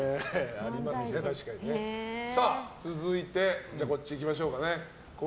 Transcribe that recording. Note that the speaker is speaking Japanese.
続いて、こっちいきましょうか。